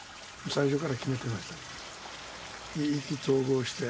最初から決めてました。